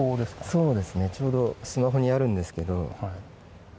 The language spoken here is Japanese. そうですね、ちょうどスマホにあるんですけど。